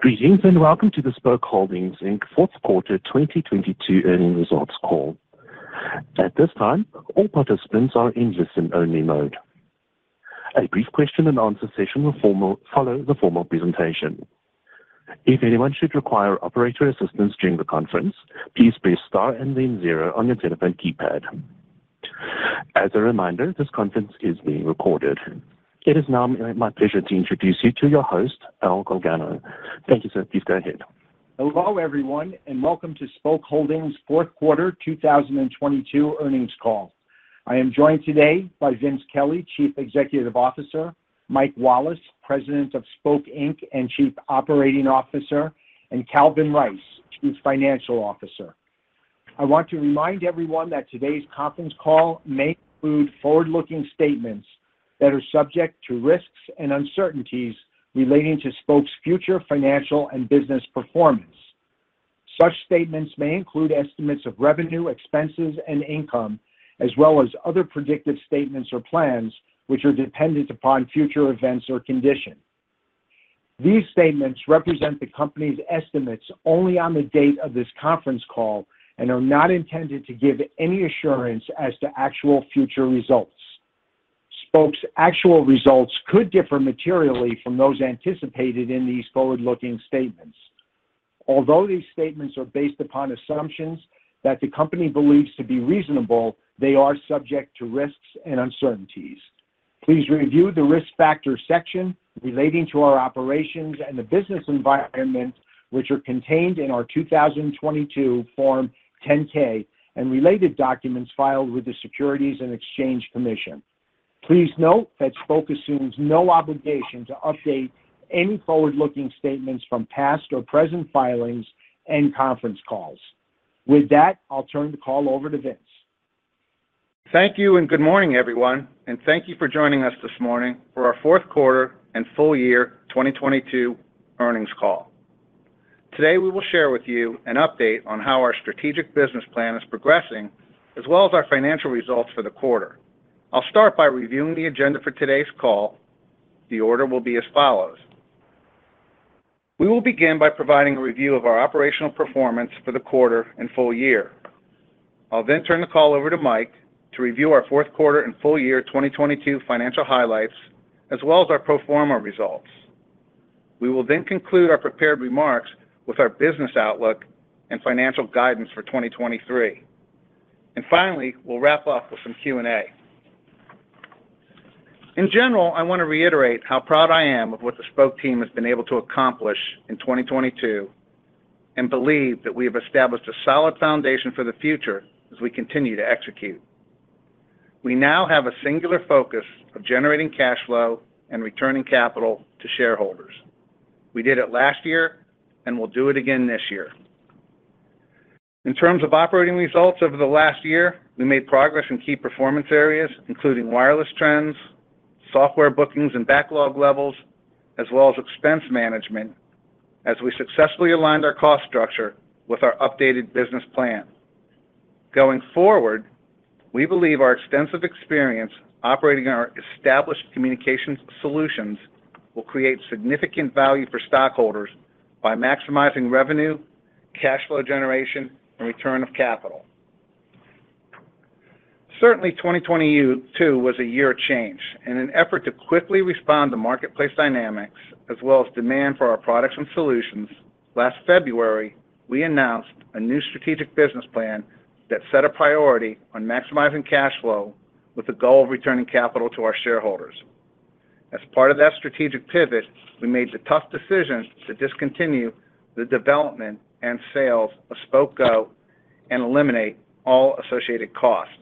Greetings, welcome to the Spok Holdings, Inc. fourth quarter 2022 earnings results call. At this time, all participants are in listen only mode. A brief Q&A session will follow the formal presentation. If anyone should require operator assistance during the conference, please press star and then zero on your telephone keypad. As a reminder, this conference is being recorded. It is now my pleasure to introduce you to your host, Al Galgano. Thank you, sir. Please go ahead. Hello, everyone, and welcome to Spok Holdings fourth quarter 2022 earnings call. I am joined today by Vince Kelly, Chief Executive Officer, Mike Wallace, President of Spok, Inc. and Chief Operating Officer, and Calvin Rice, Chief Financial Officer. I want to remind everyone that today's conference call may include forward-looking statements that are subject to risks and uncertainties relating to Spok's future financial and business performance. Such statements may include estimates of revenue, expenses, and income as well as other predictive statements or plans which are dependent upon future events or condition. These statements represent the company's estimates only on the date of this conference call and are not intended to give any assurance as to actual future results. Spok's actual results could differ materially from those anticipated in these forward-looking statements. Although these statements are based upon assumptions that the company believes to be reasonable, they are subject to risks and uncertainties. Please review the Risk Factors section relating to our operations and the business environment which are contained in our 2022 Form 10-K and related documents filed with the Securities and Exchange Commission. Please note that Spok assumes no obligation to update any forward-looking statements from past or present filings and conference calls. With that, I'll turn the call over to Vince. Thank you good morning, everyone, and thank you for joining us this morning for our fourth quarter and full year 2022 earnings call. Today, we will share with you an update on how our strategic business plan is progressing, as well as our financial results for the quarter. I'll start by reviewing the agenda for today's call. The order will be as follows. We will begin by providing a review of our operational performance for the quarter and full year. I'll then turn the call over to Mike to review our fourth quarter and full year 2022 financial highlights, as well as our pro forma results. We will then conclude our prepared remarks with our business outlook and financial guidance for 2023. Finally, we'll wrap up with some Q&A. In general, I wanna reiterate how proud I am of what the Spok team has been able to accomplish in 2022 and believe that we have established a solid foundation for the future as we continue to execute. We now have a singular focus of generating cash flow and returning capital to shareholders. We did it last year, and we'll do it again this year. In terms of operating results over the last year, we made progress in key performance areas, including wireless trends, software bookings and backlog levels, as well as expense management as we successfully aligned our cost structure with our updated business plan. Going forward, we believe our extensive experience operating our established communications solutions will create significant value for stockholders by maximizing revenue, cash flow generation, and return of capital. Certainly, 2022 was a year of change. In an effort to quickly respond to marketplace dynamics as well as demand for our products and solutions, last February, we announced a new strategic business plan that set a priority on maximizing cash flow with the goal of returning capital to our shareholders. As part of that strategic pivot, we made the tough decision to discontinue the development and sales of Spok Go and eliminate all associated costs.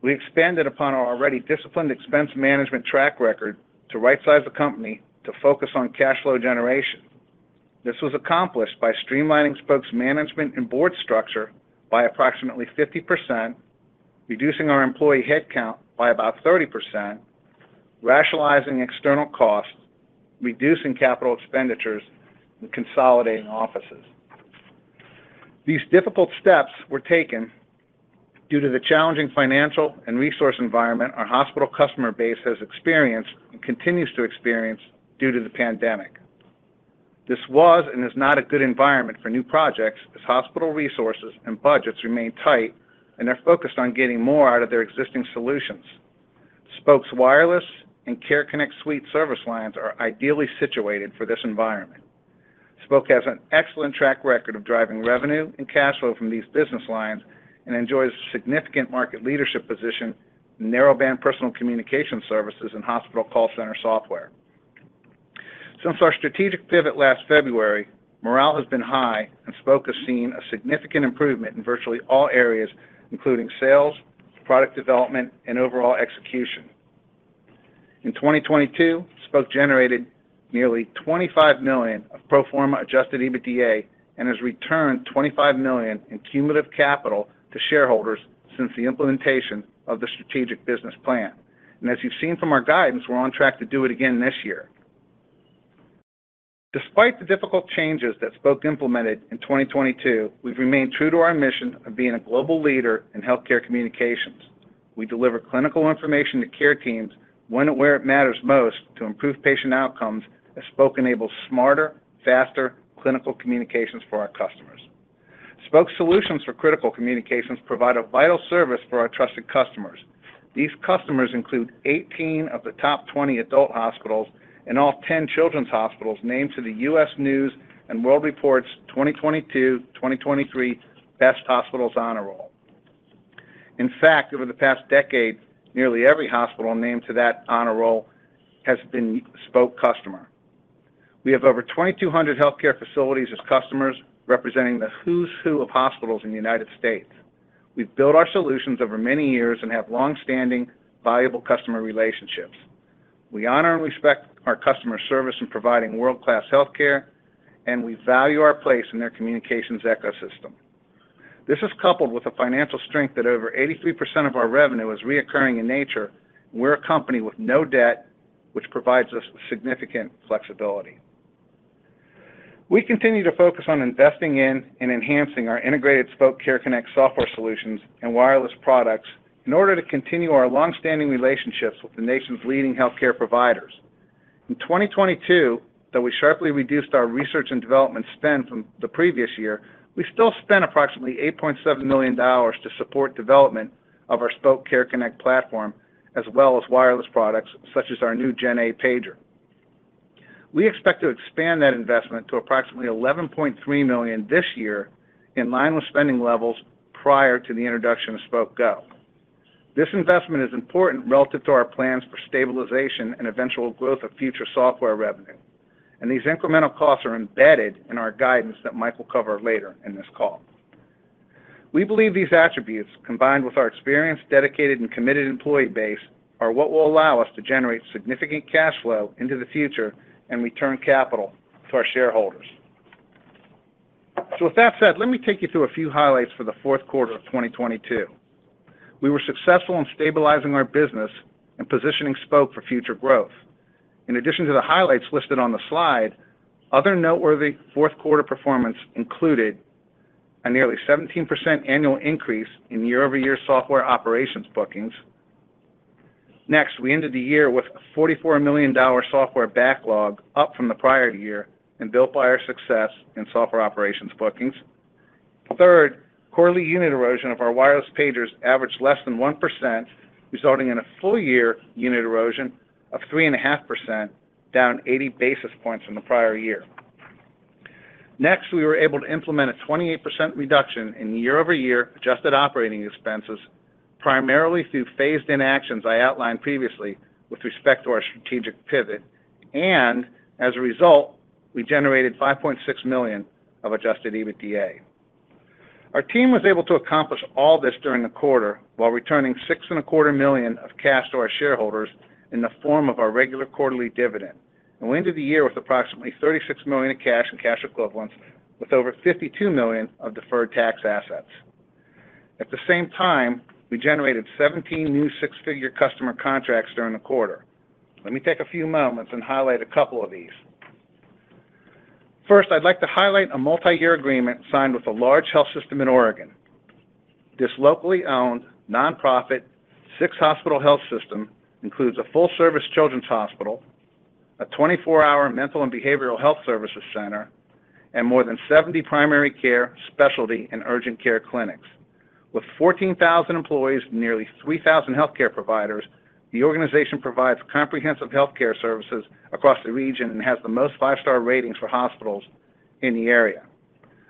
We expanded upon our already disciplined expense management track record to right-size the company to focus on cash flow generation. This was accomplished by streamlining Spok's management and board structure by approximately 50%, reducing our employee headcount by about 30%, rationalizing external costs, reducing capital expenditures, and consolidating offices. These difficult steps were taken due to the challenging financial and resource environment our hospital customer base has experienced and continues to experience due to the pandemic. This was and is not a good environment for new projects as hospital resources and budgets remain tight and are focused on getting more out of their existing solutions. Spok's Wireless and Spok Care Connect Suite service lines are ideally situated for this environment. Spok has an excellent track record of driving revenue and cash flow from these business lines and enjoys significant market leadership position in narrowband personal communication services and hospital call center software. Since our strategic pivot last February, morale has been high, Spok has seen a significant improvement in virtually all areas, including sales, product development, and overall execution. In 2022, Spok generated nearly $25 million of pro forma adjusted EBITDA and has returned $25 million in cumulative capital to shareholders since the implementation of the strategic business plan. As you've seen from our guidance, we're on track to do it again this year. Despite the difficult changes that Spok implemented in 2022, we've remained true to our mission of being a global leader in healthcare communications. We deliver clinical information to care teams when and where it matters most to improve patient outcomes as Spok enables smarter, faster clinical communications for our customers. Spok solutions for critical communications provide a vital service for our trusted customers. These customers include 18 of the top 20 adult hospitals and all 10 children's hospitals named to the U.S. News & World Report's 2022/2023 Best Hospitals Honor Roll. In fact, over the past decade, nearly every hospital named to that honor roll has been Spok customer. We have over 2,200 healthcare facilities as customers, representing the who's who of hospitals in the United States. We've built our solutions over many years and have long-standing valuable customer relationships. We honor and respect our customer service in providing world-class healthcare, and we value our place in their communications ecosystem. This is coupled with the financial strength that over 83% of our revenue is reoccurring in nature. We're a company with no debt, which provides us significant flexibility. We continue to focus on investing in and enhancing our integrated Spok Care Connect software solutions and wireless products in order to continue our long-standing relationships with the nation's leading healthcare providers. In 2022, though we sharply reduced our research and development spend from the previous year, we still spent approximately $8.7 million to support development of our Spok Care Connect platform, as well as wireless products such as our new GenA pager. We expect to expand that investment to approximately $11.3 million this year in line with spending levels prior to the introduction of Spok Go. These incremental costs are embedded in our guidance that Mike will cover later in this call. We believe these attributes, combined with our experienced, dedicated, and committed employee base, are what will allow us to generate significant cash flow into the future and return capital to our shareholders. With that said, let me take you through a few highlights for the fourth quarter of 2022. We were successful in stabilizing our business and positioning Spok for future growth. In addition to the highlights listed on the slide, other noteworthy fourth quarter performance included a nearly 17% annual increase in year-over-year software operations bookings. We ended the year with a $44 million software backlog, up from the prior year and built by our success in software operations bookings. Third, quarterly unit erosion of our wireless pagers averaged less than 1%, resulting in a full-year unit erosion of 3.5%, down 80 basis points from the prior year. We were able to implement a 28% reduction in year-over-year adjusted operating expenses, primarily through phased-in actions I outlined previously with respect to our strategic pivot. As a result, we generated $5.6 million of adjusted EBITDA. Our team was able to accomplish all this during the quarter while returning $six and a quarter million of cash to our shareholders in the form of our regular quarterly dividend. We ended the year with approximately $36 million of cash and cash equivalents, with over $52 million of deferred tax assets. At the same time, we generated 17 new six-figure customer contracts during the quarter. Let me take a few moments and highlight a couple of these. First, I'd like to highlight a multi-year agreement signed with a large health system in Oregon. This locally owned, nonprofit, six-hospital health system includes a full-service children's hospital, a 24-hour mental and behavioral health services center, and more than 70 primary care, specialty, and urgent care clinics. With 14,000 employees and nearly 3,000 healthcare providers, the organization provides comprehensive healthcare services across the region and has the most five-star ratings for hospitals in the area.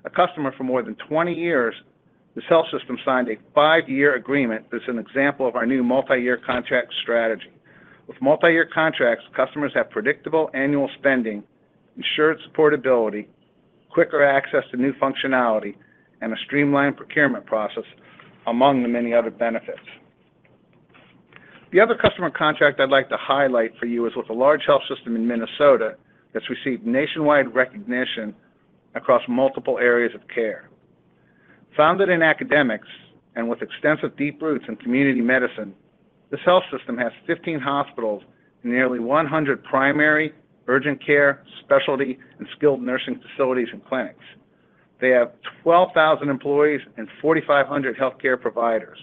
A customer for more than 20 years, this health system signed a five-year agreement that's an example of our new multi-year contract strategy. With multi-year contracts, customers have predictable annual spending, insured supportability, quicker access to new functionality, and a streamlined procurement process, among the many other benefits. The other customer contract I'd like to highlight for you is with a large health system in Minnesota that's received nationwide recognition across multiple areas of care. Founded in academics and with extensive deep roots in community medicine, this health system has 15 hospitals and nearly 100 primary, urgent care, specialty, and skilled nursing facilities and clinics. They have 12,000 employees and 4,500 healthcare providers.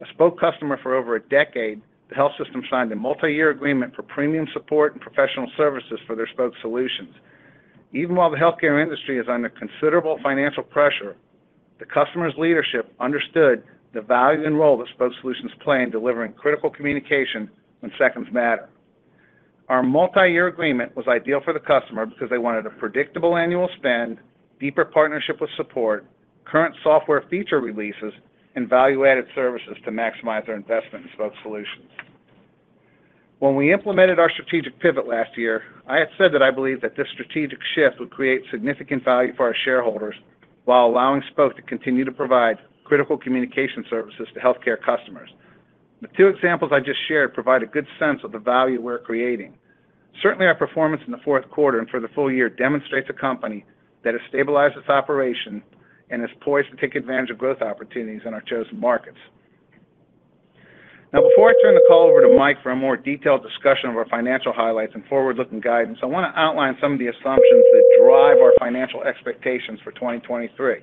A Spok customer for over a decade, the health system signed a multi-year agreement for premium support and professional services for their Spok solutions. Even while the healthcare industry is under considerable financial pressure, the customer's leadership understood the value and role that Spok solutions play in delivering critical communication when seconds matter. Our multi-year agreement was ideal for the customer because they wanted a predictable annual spend, deeper partnership with support, current software feature releases, and value-added services to maximize their investment in Spok solutions. When we implemented our strategic pivot last year, I had said that I believed that this strategic shift would create significant value for our shareholders while allowing Spok to continue to provide critical communication services to healthcare customers. The two examples I just shared provide a good sense of the value we're creating. Certainly, our performance in the fourth quarter and for the full year demonstrates a company that has stabilized its operation and is poised to take advantage of growth opportunities in our chosen markets. Now, before I turn the call over to Mike for a more detailed discussion of our financial highlights and forward-looking guidance, I want to outline some of the assumptions that drive our financial expectations for 2023.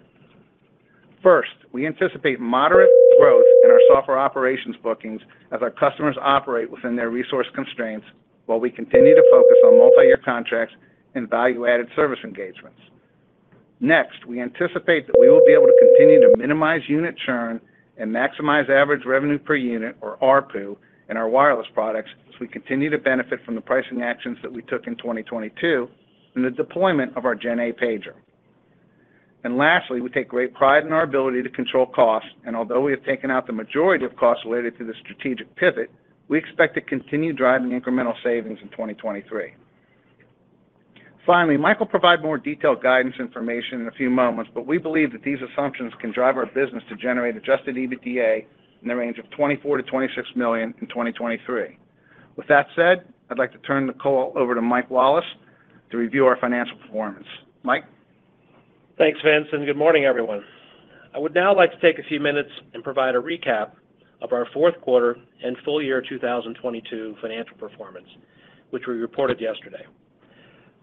First, we anticipate moderate growth in our software operations bookings as our customers operate within their resource constraints while we continue to focus on multi-year contracts and value-added service engagements. Next, we anticipate that we will be able to continue to minimize unit churn and maximize average revenue per unit, or ARPU, in our wireless products as we continue to benefit from the pricing actions that we took in 2022 and the deployment of our GenA pager. Lastly, we take great pride in our ability to control costs, and although we have taken out the majority of costs related to the strategic pivot, we expect to continue driving incremental savings in 2023. Finally, Mike will provide more detailed guidance information in a few moments, but we believe that these assumptions can drive our business to generate adjusted EBITDA in the range of $24 million-$26 million in 2023. With that said, I'd like to turn the call over to Mike Wallace to review our financial performance. Mike? Thanks, Vince, and good morning, everyone. I would now like to take a few minutes and provide a recap of our fourth quarter and full year 2022 financial performance, which we reported yesterday.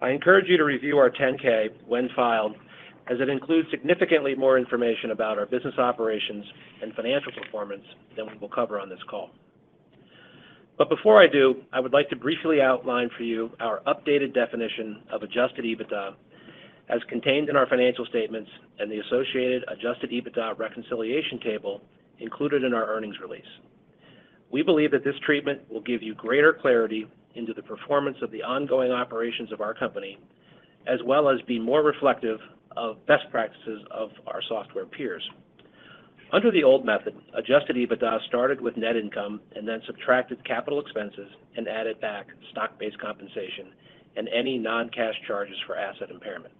I encourage you to review our Form 10-K when filed, as it includes significantly more information about our business operations and financial performance than we will cover on this call. Before I do, I would like to briefly outline for you our updated definition of adjusted EBITDA as contained in our financial statements and the associated adjusted EBITDA reconciliation table included in our earnings release. We believe that this treatment will give you greater clarity into the performance of the ongoing operations of our company, as well as be more reflective of best practices of our software peers. Under the old method, adjusted EBITDA started with net income and then subtracted capital expenses and added back stock-based compensation and any non-cash charges for asset impairment.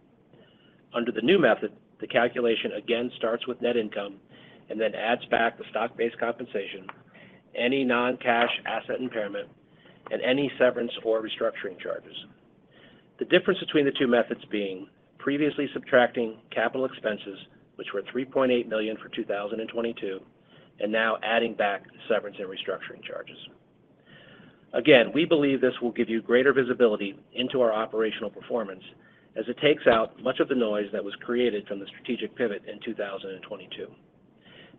Under the new method, the calculation again starts with net income and then adds back the stock-based compensation, any non-cash asset impairment, and any severance or restructuring charges. The difference between the two methods being previously subtracting capital expenses, which were $3.8 million for 2022, and now adding back severance and restructuring charges. Again, we believe this will give you greater visibility into our operational performance as it takes out much of the noise that was created from the strategic pivot in 2022.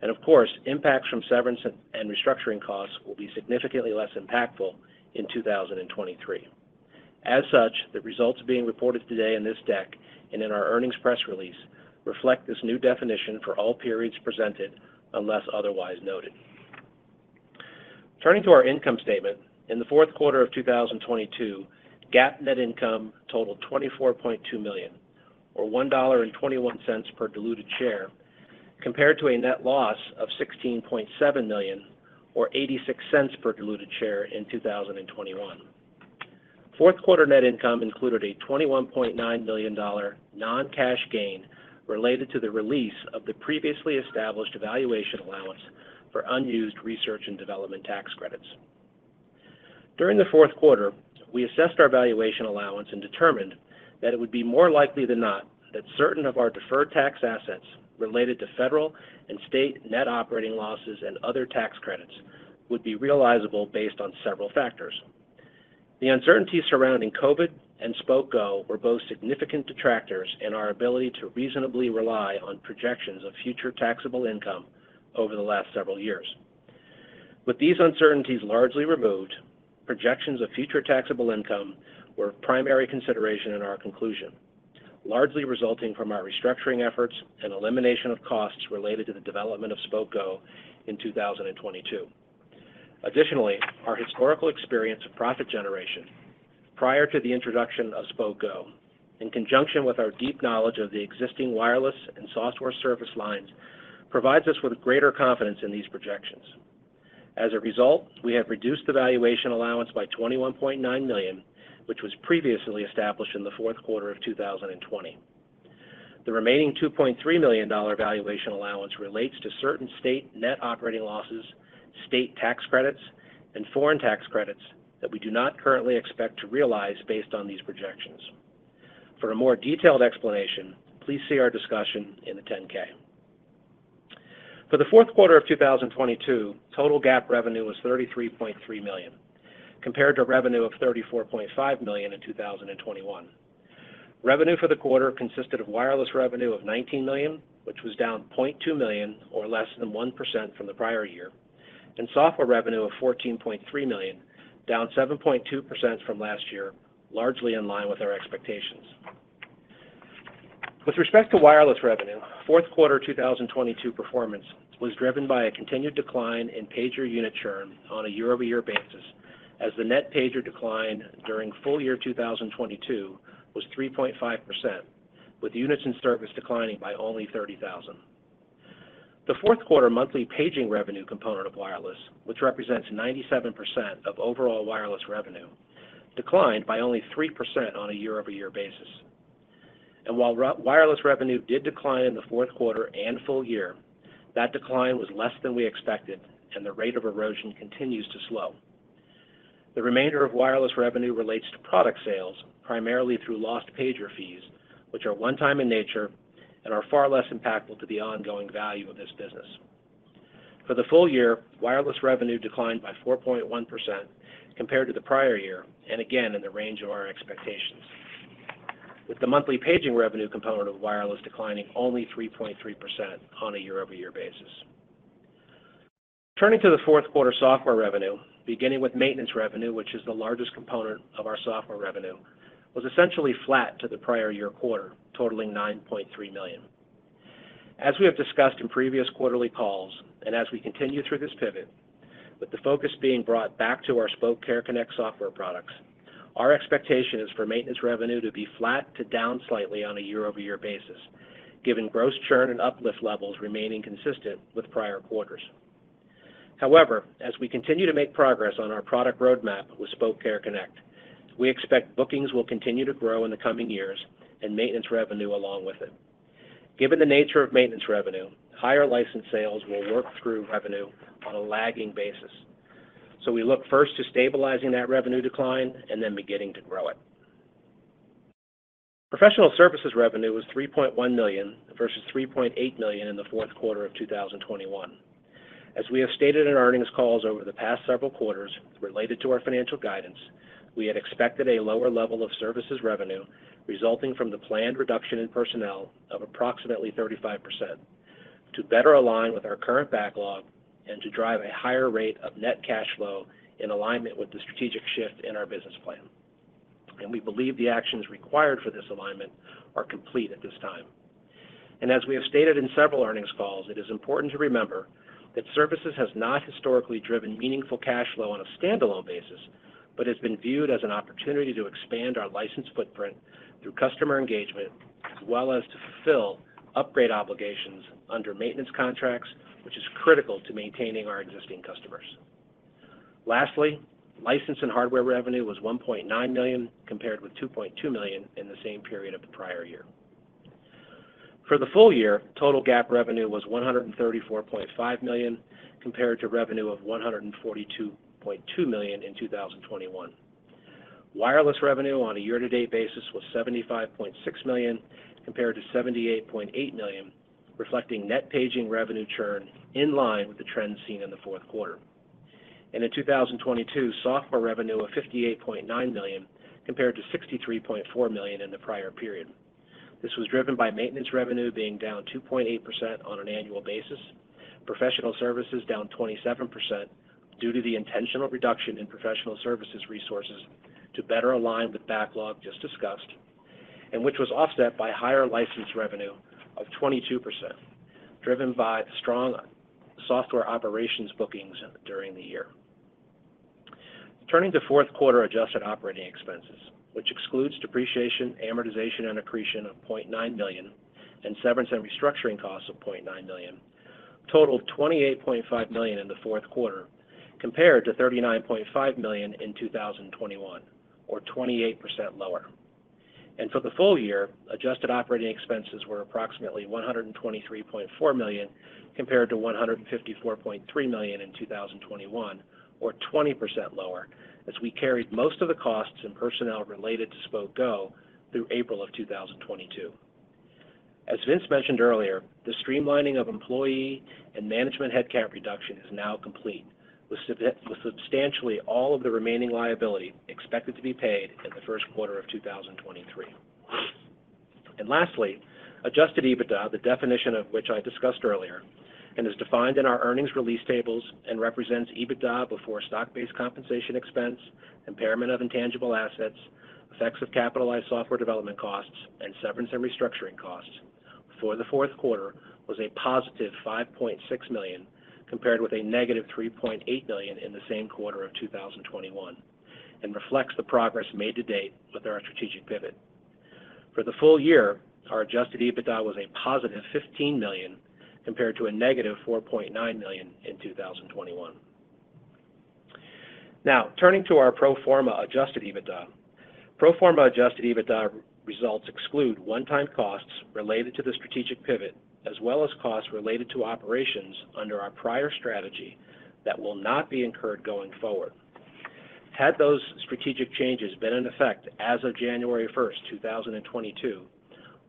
Of course, impacts from severance and restructuring costs will be significantly less impactful in 2023. As such, the results being reported today in this deck and in our earnings press release reflect this new definition for all periods presented, unless otherwise noted. Turning to our income statement, in the fourth quarter of 2022, GAAP net income totaled $24.2 million, or $1.21 per diluted share, compared to a net loss of $16.7 million or $0.86 per diluted share in 2021. Fourth quarter net income included a $21.9 million non-cash gain related to the release of the previously established valuation allowance for unused research and development tax credits. During the fourth quarter, we assessed our valuation allowance and determined that it would be more likely than not that certain of our deferred tax assets related to federal and state net operating losses and other tax credits would be realizable based on several factors. The uncertainty surrounding COVID and Spok Go were both significant detractors in our ability to reasonably rely on projections of future taxable income over the last several years. With these uncertainties largely removed, projections of future taxable income were of primary consideration in our conclusion, largely resulting from our restructuring efforts and elimination of costs related to the development of Spok Go in 2022. Our historical experience of profit generation prior to the introduction of Spok Go, in conjunction with our deep knowledge of the existing wireless and software service lines, provides us with greater confidence in these projections. As a result, we have reduced the valuation allowance by $21.9 million, which was previously established in the fourth quarter of 2020. The remaining $2.3 million valuation allowance relates to certain state net operating losses, state tax credits, and foreign tax credits that we do not currently expect to realize based on these projections. For a more detailed explanation, please see our discussion in the 10-K. For the fourth quarter of 2022, total GAAP revenue was $33.3 million, compared to revenue of $34.5 million in 2021. Revenue for the quarter consisted of wireless revenue of $19 million, which was down $0.2 million or less than 1% from the prior year, and software revenue of $14.3 million, down 7.2% from last year, largely in line with our expectations. With respect to wireless revenue, fourth quarter 2022 performance was driven by a continued decline in pager unit churn on a year-over-year basis as the net pager decline during full year 2022 was 3.5%, with units in service declining by only 30,000. The fourth quarter monthly paging revenue component of wireless, which represents 97% of overall wireless revenue, declined by only 3% on a year-over-year basis. While wireless revenue did decline in the fourth quarter and full year, that decline was less than we expected, and the rate of erosion continues to slow. The remainder of wireless revenue relates to product sales, primarily through lost pager fees, which are one-time in nature and are far less impactful to the ongoing value of this business. For the full year, wireless revenue declined by 4.1% compared to the prior year, and again in the range of our expectations, with the monthly paging revenue component of wireless declining only 3.3% on a year-over-year basis. Turning to the fourth quarter software revenue, beginning with maintenance revenue, which is the largest component of our software revenue, was essentially flat to the prior year quarter, totaling $9.3 million. As we have discussed in previous quarterly calls, and as we continue through this pivot, with the focus being brought back to our Spok Care Connect software products, our expectation is for maintenance revenue to be flat to down slightly on a year-over-year basis, given gross churn and uplift levels remaining consistent with prior quarters. However, as we continue to make progress on our product roadmap with Spok Care Connect, we expect bookings will continue to grow in the coming years and maintenance revenue along with it. Given the nature of maintenance revenue, higher license sales will work through revenue on a lagging basis. We look first to stabilizing that revenue decline and then beginning to grow it. Professional services revenue was $3.1 million versus $3.8 million in the fourth quarter of 2021. As we have stated in earnings calls over the past several quarters related to our financial guidance, we had expected a lower level of services revenue resulting from the planned reduction in personnel of approximately 35% to better align with our current backlog and to drive a higher rate of net cash flow in alignment with the strategic shift in our business plan. We believe the actions required for this alignment are complete at this time. As we have stated in several earnings calls, it is important to remember that services has not historically driven meaningful cash flow on a standalone basis, but has been viewed as an opportunity to expand our license footprint through customer engagement as well as to fulfill upgrade obligations under maintenance contracts, which is critical to maintaining our existing customers. Lastly, license and hardware revenue was $1.9 million compared with $2.2 million in the same period of the prior year. For the full year, total GAAP revenue was $134.5 million compared to revenue of $142.2 million in 2021. Wireless revenue on a year-to-date basis was $75.6 million compared to $78.8 million, reflecting net paging revenue churn in line with the trends seen in the fourth quarter. In 2022, software revenue of $58.9 million compared to $63.4 million in the prior period. This was driven by maintenance revenue being down 2.8% on an annual basis, professional services down 27% due to the intentional reduction in professional services resources to better align with backlog just discussed, which was offset by higher license revenue of 22%, driven by strong software operations bookings during the year. Turning to fourth quarter adjusted operating expenses, which excludes depreciation, amortization, and accretion of $0.9 million and severance and restructuring costs of $0.9 million, totaled $28.5 million in the fourth quarter compared to $39.5 million in 2021, or 28% lower. For the full year, adjusted operating expenses were approximately $123.4 million compared to $154.3 million in 2021, or 20% lower, as we carried most of the costs and personnel related to Spok Go through April of 2022. As Vince mentioned earlier, the streamlining of employee and management headcount reduction is now complete, with substantially all of the remaining liability expected to be paid in the first quarter of 2023. Lastly, adjusted EBITDA, the definition of which I discussed earlier, and is defined in our earnings release tables and represents EBITDA before stock-based compensation expense, impairment of intangible assets, effects of capitalized software development costs, and severance and restructuring costs, for the fourth quarter was a positive $5.6 million compared with a negative $3.8 million in the same quarter of 2021, and reflects the progress made to date with our strategic pivot. For the full year, our adjusted EBITDA was a positive $15 million compared to a negative $4.9 million in 2021. Turning to our pro forma adjusted EBITDA. Pro forma adjusted EBITDA results exclude one-time costs related to the strategic pivot, as well as costs related to operations under our prior strategy that will not be incurred going forward. Had those strategic changes been in effect as of January 1, 2022,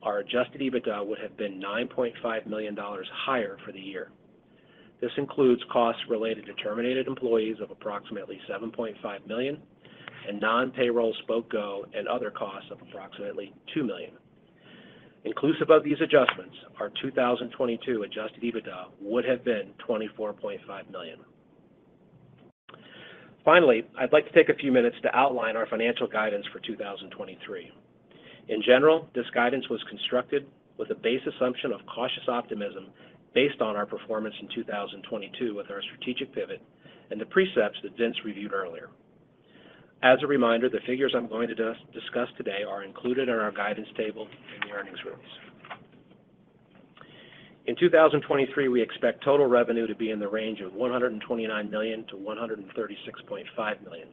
our adjusted EBITDA would have been $9.5 million higher for the year. This includes costs related to terminated employees of approximately $7.5 million and non-payroll Spok Go and other costs of approximately $2 million. Inclusive of these adjustments, our 2022 adjusted EBITDA would have been $24.5 million. Finally, I'd like to take a few minutes to outline our financial guidance for 2023. In general, this guidance was constructed with a base assumption of cautious optimism based on our performance in 2022 with our strategic pivot and the precepts that Vince reviewed earlier. As a reminder, the figures I'm going to discuss today are included in our guidance table in the earnings release. In 2023, we expect total revenue to be in the range of $129 million-$136.5 million,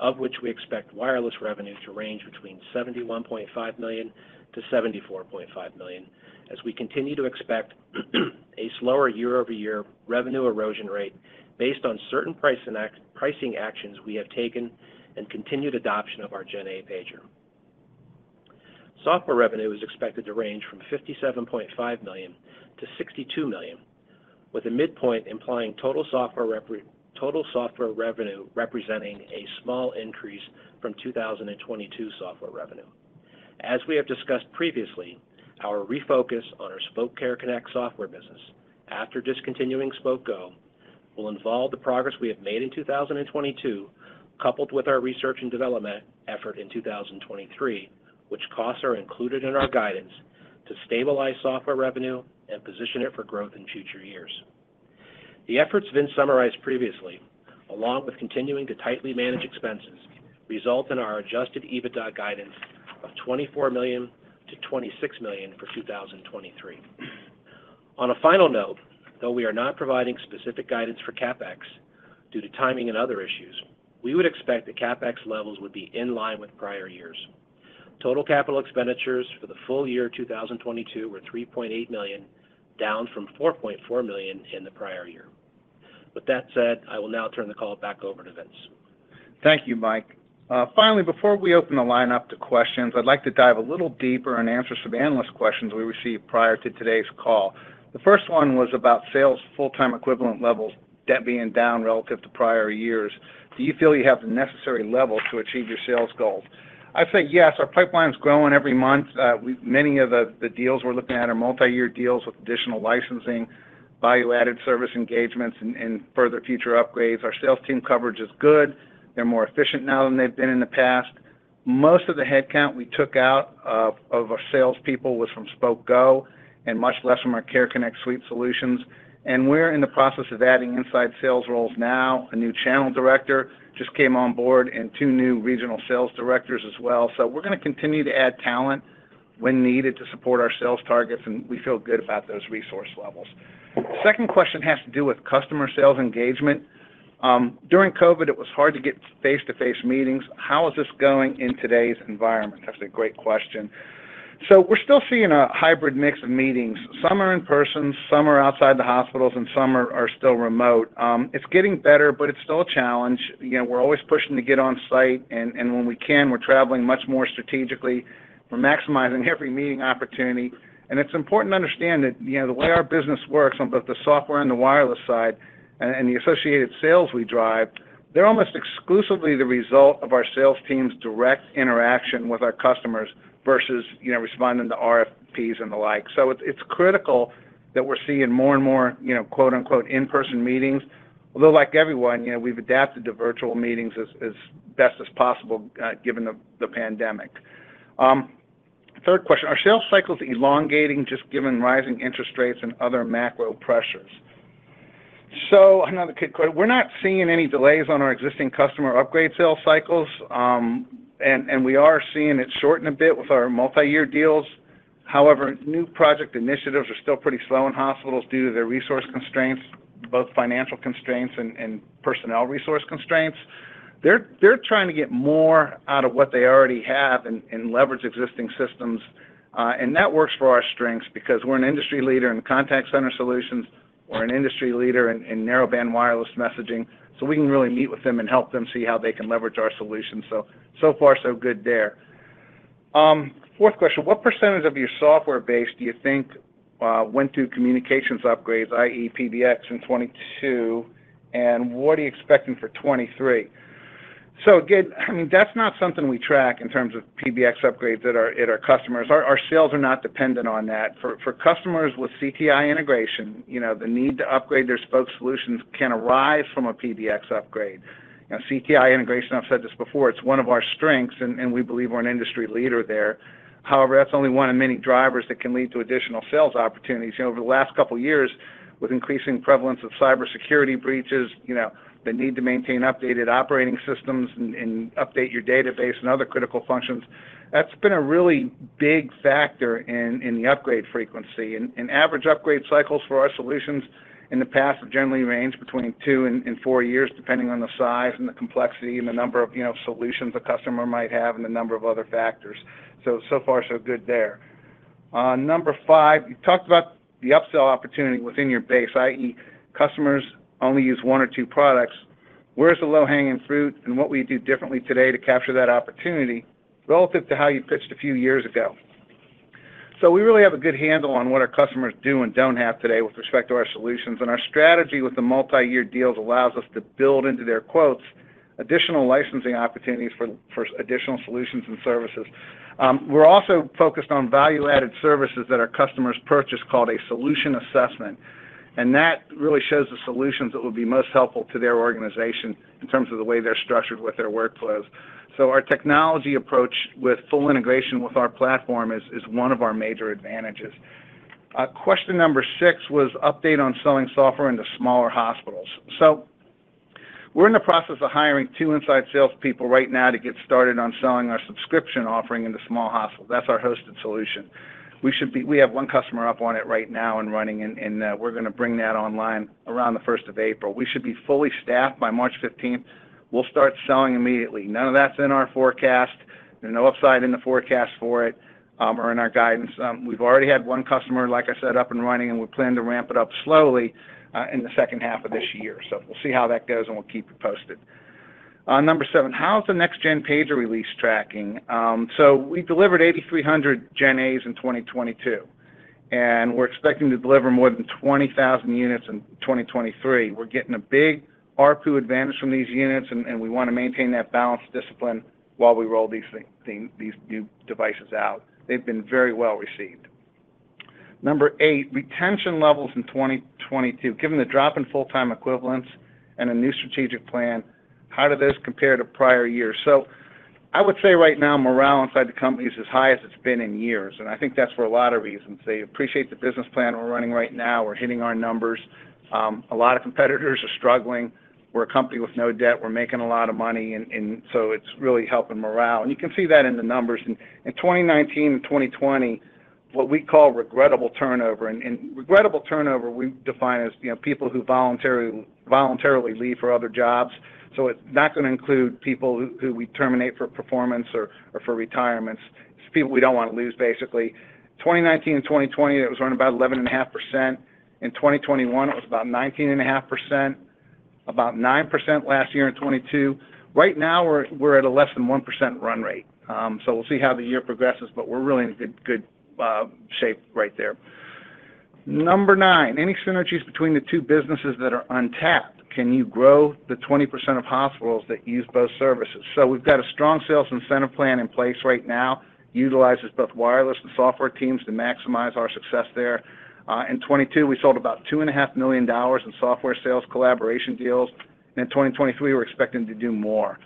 of which we expect wireless revenue to range between $71.5 million-$74.5 million as we continue to expect a slower year-over-year revenue erosion rate based on certain pricing actions we have taken and continued adoption of our GenA pager. Software revenue is expected to range from $57.5 million-$62 million, with a midpoint implying total software revenue representing a small increase from 2022 software revenue. As we have discussed previously, our refocus on our Spok Care Connect software business after discontinuing Spok Go will involve the progress we have made in 2022, coupled with our research and development effort in 2023, which costs are included in our guidance to stabilize software revenue and position it for growth in future years. The efforts Vince summarized previously, along with continuing to tightly manage expenses, result in our adjusted EBITDA guidance of $24 million-$26 million for 2023. On a final note, though we are not providing specific guidance for CapEx due to timing and other issues, we would expect the CapEx levels would be in line with prior years. Total capital expenditures for the full year 2022 were $3.8 million, down from $4.4 million in the prior year. With that said, I will now turn the call back over to Vince. Thank you, Mike. Finally, before we open the line up to questions, I'd like to dive a little deeper and answer some analyst questions we received prior to today's call. The first one was about sales full-time equivalent levels, that being down relative to prior years. Do you feel you have the necessary levels to achieve your sales goals? I'd say yes. Our pipeline's growing every month. Many of the deals we're looking at are multi-year deals with additional licensing, value-added service engagements and further future upgrades. Our sales team coverage is good. They're more efficient now than they've been in the past. Most of the headcount we took out of our salespeople was from Spok Go and much less from our Care Connect Suite solutions. We're in the process of adding inside sales roles now. A new channel director just came on board and two new regional sales directors as well. We're gonna continue to add talent when needed to support our sales targets, and we feel good about those resource levels. Second question has to do with customer sales engagement. During COVID, it was hard to get face-to-face meetings. How is this going in today's environment? That's a great question. We're still seeing a hybrid mix of meetings. Some are in person, some are outside the hospitals, and some are still remote. It's getting better, but it's still a challenge. You know, we're always pushing to get on site and when we can, we're traveling much more strategically. We're maximizing every meeting opportunity. It's important to understand that, you know, the way our business works on both the software and the wireless side and the associated sales we drive, they're almost exclusively the result of our sales team's direct interaction with our customers versus, you know, responding to RFPs and the like. It's critical that we're seeing more and more, you know, quote-unquote, in-person meetings. Although like everyone, you know, we've adapted to virtual meetings as best as possible, given the pandemic. Third question, are sales cycles elongating just given rising interest rates and other macro pressures? We're not seeing any delays on our existing customer upgrade sales cycles, and we are seeing it shorten a bit with our multi-year deals. New project initiatives are still pretty slow in hospitals due to their resource constraints, both financial constraints and personnel resource constraints. They're trying to get more out of what they already have and leverage existing systems, and that works for our strengths because we're an industry leader in contact center solutions. We're an industry leader in narrowband wireless messaging, so we can really meet with them and help them see how they can leverage our solutions. Far so good there. Fourth question, what percentage of your software base do you think went through communications upgrades, i.e., PBX in 2022, and what are you expecting for 2023? Again, I mean, that's not something we track in terms of PBX upgrades at our customers. Our sales are not dependent on that. For customers with CTI integration, you know, the need to upgrade their Spok solutions can arise from a PBX upgrade. You know, CTI integration, I've said this before, it's one of our strengths and we believe we're an industry leader there. That's only one of many drivers that can lead to additional sales opportunities. You know, over the last couple years with increasing prevalence of cybersecurity breaches, you know, the need to maintain updated operating systems and update your database and other critical functions, that's been a really big factor in the upgrade frequency. Average upgrade cycles for our solutions in the past have generally ranged between two and four years, depending on the size and the complexity and the number of, you know, solutions a customer might have and the number of other factors. Far so good there. Number five, you talked about the upsell opportunity within your base, i.e., customers only use one or two products. Where is the low-hanging fruit and what we do differently today to capture that opportunity relative to how you pitched a few years ago? We really have a good handle on what our customers do and don't have today with respect to our solutions, and our strategy with the multi-year deals allows us to build into their quotes additional licensing opportunities for additional solutions and services. We're also focused on value-added services that our customers purchase called a solution assessment, that really shows the solutions that will be most helpful to their organization in terms of the way they're structured with their workflows. Our technology approach with full integration with our platform is one of our major advantages. Question number six was update on selling software into smaller hospitals. We're in the process of hiring 2 inside salespeople right now to get started on selling our subscription offering into small hospitals. That's our hosted solution. We have 1 customer up on it right now and running and we're gonna bring that online around the first of April. We should be fully staffed by March 15th. We'll start selling immediately. None of that's in our forecast. There's no upside in the forecast for it, or in our guidance. We've already had 1 customer, like I said, up and running, and we plan to ramp it up slowly in the second half of this year. We'll see how that goes and we'll keep you posted. Number seven, how's the next gen pager release tracking? We delivered 8,300 GenAs in 2022, we're expecting to deliver more than 20,000 units in 2023. We're getting a big ARPU advantage from these units, and we wanna maintain that balanced discipline while we roll these new devices out. They've been very well received. Number eight, retention levels in 2022, given the drop in full-time equivalents and a new strategic plan, how did this compare to prior years? I would say right now, morale inside the company is as high as it's been in years, and I think that's for a lot of reasons. They appreciate the business plan we're running right now. We're hitting our numbers. A lot of competitors are struggling. We're a company with no debt. We're making a lot of money and it's really helping morale. You can see that in the numbers. In 2019 and 2020, what we call regrettable turnover, and regrettable turnover we define as, you know, people who voluntarily leave for other jobs. It's not gonna include people who we terminate for performance or for retirements. It's people we don't wanna lose, basically. 2019 to 2020, it was around about 11.5%. In 2021, it was about 19.5%, about 9% last year in 2022. Right now we're at a less than 1% run rate. We'll see how the year progresses, but we're really in good shape right there. Number nine, any synergies between the two businesses that are untapped? Can you grow the 20% of hospitals that use both services? We've got a strong sales incentive plan in place right now, utilizes both wireless and software teams to maximize our success there. In 2022, we sold about $2.5 million in software sales collaboration deals. In 2023, we're expecting to do more.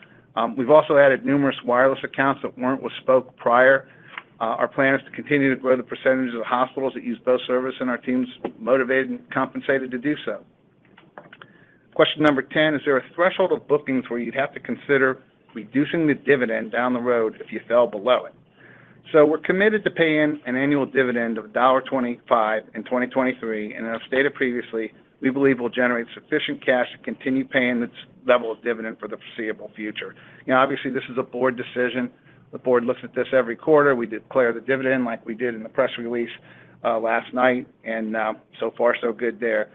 We've also added numerous wireless accounts that weren't with Spok prior. Our plan is to continue to grow the percentage of the hospitals that use both service, and our team's motivated and compensated to do so. Question number 10, is there a threshold of bookings where you'd have to consider reducing the dividend down the road if you fell below it? We're committed to paying an annual dividend of $1.25 in 2023, and as stated previously, we believe we'll generate sufficient cash to continue paying this level of dividend for the foreseeable future. You know, obviously this is a board decision. The board looks at this every quarter. We declare the dividend like we did in the press release last night, and so far so good there.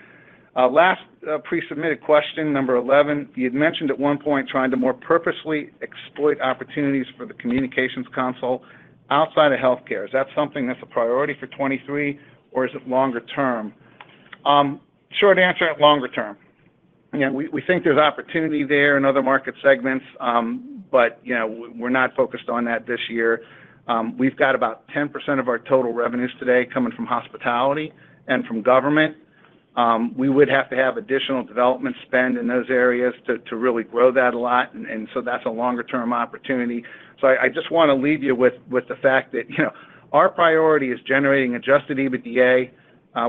Last, pre-submitted question, number 11. You'd mentioned at one point trying to more purposefully exploit opportunities for the communications console outside of healthcare. Is that something that's a priority for 2023, or is it longer term? Short answer, at longer term. Again, we think there's opportunity there in other market segments, but, you know, we're not focused on that this year. We've got about 10% of our total revenues today coming from hospitality and from government. We would have to have additional development spend in those areas to really grow that a lot and so that's a longer term opportunity. I just wanna leave you with the fact that, you know, our priority is generating adjusted EBITDA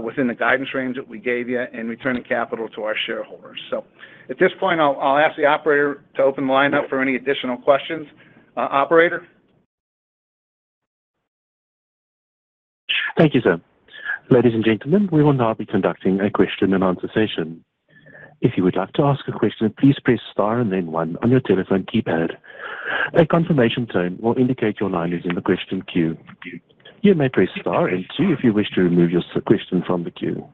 within the guidance range that we gave you and returning capital to our shareholders. At this point, I'll ask the operator to open the line up for any additional questions. Operator? Thank you, sir. Ladies and gentlemen, we will now be conducting a Q&A session. If you would like to ask a question, please press star and then one on your telephone keypad. A confirmation tone will indicate your line is in the question queue. You may press star and two if you wish to remove your question from the queue.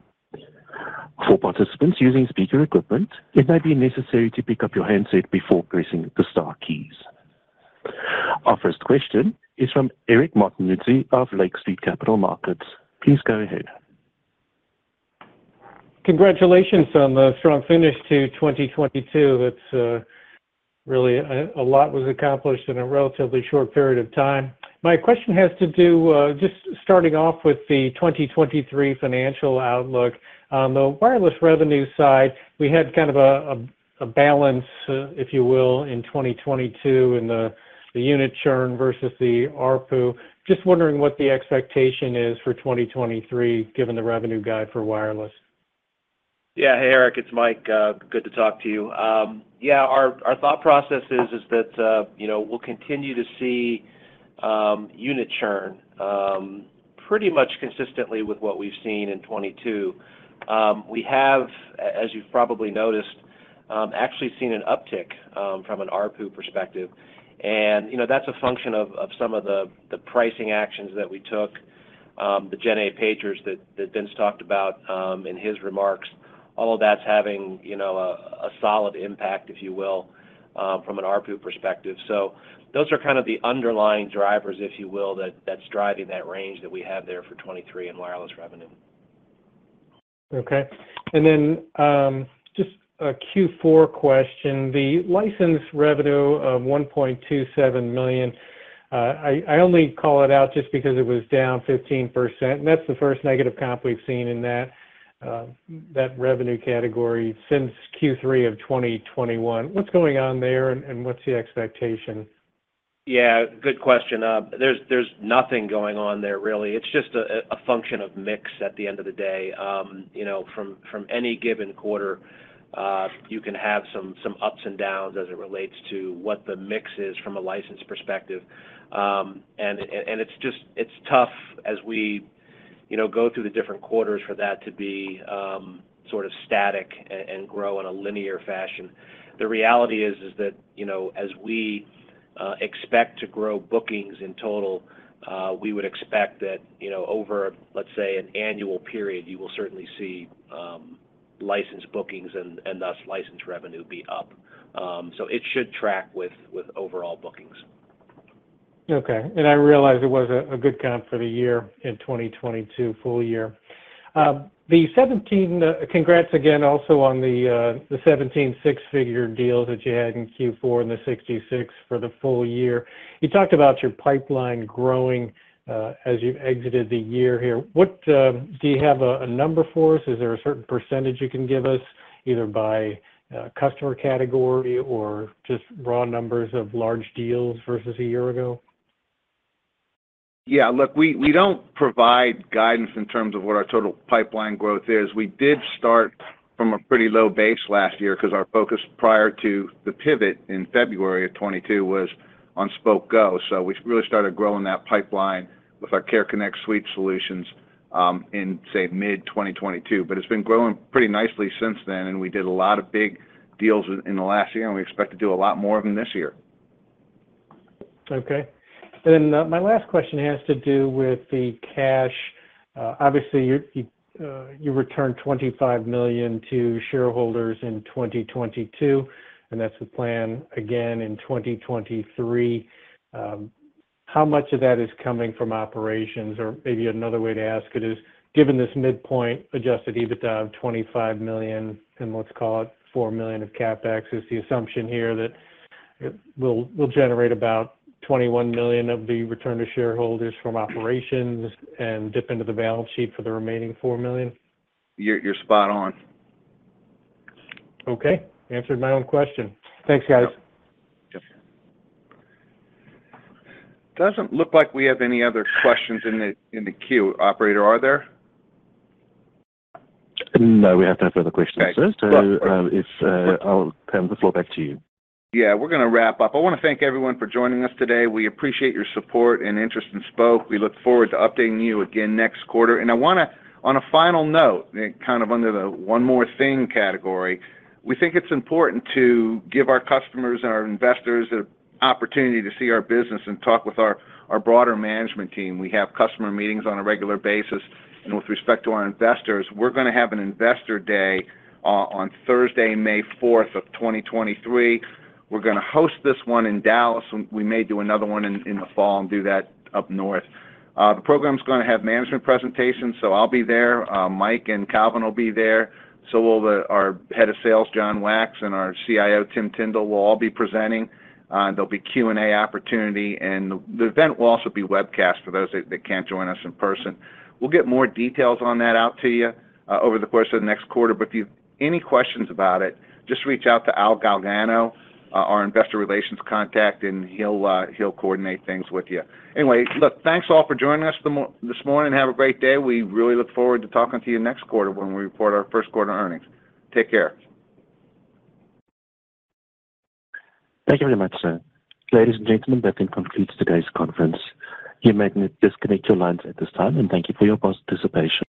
For participants using speaker equipment, it may be necessary to pick up your handset before pressing the star keys. Our first question is from Eric Martinuzzi of Lake Street Capital Markets. Please go ahead. Congratulations on the strong finish to 2022. That's really a lot was accomplished in a relatively short period of time. My question has to do just starting off with the 2023 financial outlook. On the wireless revenue side, we had kind of a balance, if you will, in 2022 in the unit churn versus the ARPU. Just wondering what the expectation is for 2023, given the revenue guide for wireless. Yeah. Hey, Eric, it's Mike. Good to talk to you. Yeah, our thought process is that, you know, we'll continue to see unit churn pretty much consistently with what we've seen in 2022. We have, as you've probably noticed, actually seen an uptick from an ARPU perspective, and, you know, that's a function of some of the pricing actions that we took, the GenA pagers that Vince Kelly talked about in his remarks. All of that's having, you know, a solid impact, if you will, from an ARPU perspective. Those are kind of the underlying drivers, if you will, that's driving that range that we have there for 2023 in wireless revenue. Okay. Just a Q4 question. The license revenue of $1.27 million, I only call it out just because it was down 15%, and that's the first negative comp we've seen in that revenue category since Q3 of 2021. What's going on there and what's the expectation? Yeah, good question. there's nothing going on there really. It's just a function of mix at the end of the day. you know, from any given quarter, you can have some ups and downs as it relates to what the mix is from a license perspective. and it's tough as we, you know, go through the different quarters for that to be sort of static and grow in a linear fashion. The reality is that, you know, as we expect to grow bookings in total. We would expect that, you know, over, let's say, an annual period, you will certainly see license bookings and thus license revenue be up. It should track with overall bookings. Okay. I realize it was a good count for the year in 2022, full year. congrats again also on the 17 six-figure deals that you had in Q4 and the 66 for the full year. You talked about your pipeline growing as you exited the year here. What number for us? Is there a certain percentage you can give us either by customer category or just raw numbers of large deals versus a year ago? Yeah. Look, we don't provide guidance in terms of what our total pipeline growth is. We did start from a pretty low base last year because our focus prior to the pivot in February 2022 was on Spok Go. We really started growing that pipeline with our Spok Care Connect Suite solutions in, say, mid-2022. It's been growing pretty nicely since then, and we did a lot of big deals in the last year, and we expect to do a lot more of them this year. Okay. My last question has to do with the cash. Obviously, you returned $25 million to shareholders in 2022, and that's the plan again in 2023. How much of that is coming from operations? Or maybe another way to ask it is, given this midpoint adjusted EBITDA of $25 million and let's call it $4 million of CapEx, is the assumption here that it will generate about $21 million of the return to shareholders from operations and dip into the balance sheet for the remaining $4 million? You're spot on. Okay. Answered my own question. Thanks, guys. Yep. Doesn't look like we have any other questions in the queue. Operator, are there? No, we have no further questions, sir. Thanks. I'll turn the floor back to you. Yeah, we're gonna wrap up. I wanna thank everyone for joining us today. We appreciate your support and interest in Spok. We look forward to updating you again next quarter. On a final note, and kind of under the one more thing category, we think it's important to give our customers and our investors the opportunity to see our business and talk with our broader management team. We have customer meetings on a regular basis. With respect to our investors, we're gonna have an investor day on Thursday, May 4th, 2023. We're gonna host this one in Dallas, and we may do another one in the fall and do that up north. The program's gonna have management presentations, so I'll be there. Mike and Calvin will be there. Our head of sales, Jonathan Wax, and our CIO, Tim Tindle, will all be presenting. There'll be Q&A opportunity. The event will also be webcast for those that can't join us in person. We'll get more details on that out to you over the course of the next quarter. If you've any questions about it, just reach out to Al Galgano, our investor relations contact, and he'll coordinate things with you. Anyway, look, thanks all for joining us this morning. Have a great day. We really look forward to talking to you next quarter when we report our first quarter earnings. Take care. Thank you very much, sir. Ladies and gentlemen, that then concludes today's conference. You may disconnect your lines at this time, and thank you for your participation.